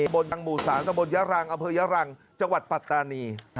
บนทางหมู่สานตะวุญะรังอเภยะรังจังหวัดปัตตานี